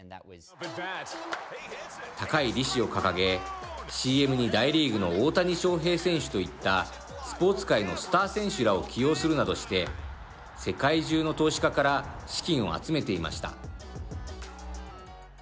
高い利子を掲げＣＭに大リーグの大谷翔平選手といったスポーツ界のスター選手らを起用するなどして世界中の投資家から資金を集めていました。